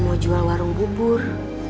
mau jual warung bubuk